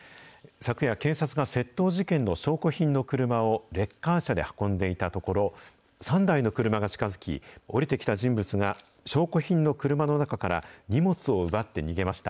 昨夜、警察は窃盗事件の証拠品の車をレッカー車で運んでいたところ、３台の車が近づき、降りてきた人物が、証拠品の車の中から荷物を奪って逃げました。